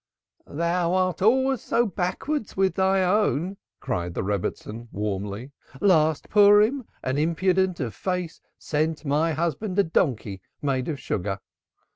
"Thou art always so backward with thine own," cried the Rebbitzin warmly. "Last Purim an impudent of face sent my husband a donkey made of sugar.